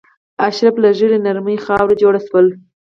اشراف له ژیړې نرمې خاورې جوړ شول.